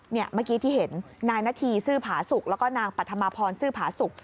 เมื่อกี้ที่เห็นนายณฑีศือผาสุขแล้วก็นางปทมพรศือผาสุข